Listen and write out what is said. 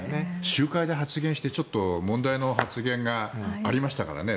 集会で発言してちょっと問題の発言もありましたからね。